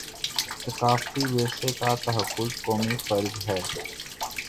ثقافتی ورثے کا تحفظ قومی فرض ہے